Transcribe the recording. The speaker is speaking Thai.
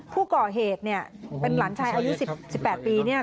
ผู้ก่อเหตุเนี่ยเป็นหลานชายอายุ๑๘ปีเนี่ย